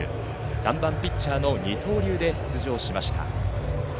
３番ピッチャーの二刀流で出場しました。